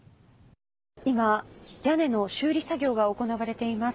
今、屋根の修理作業が行われています。